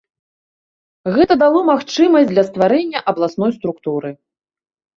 Гэта дало магчымасць для стварэння абласной структуры.